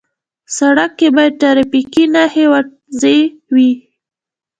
سړک کې باید ټرافیکي نښې واضح وي.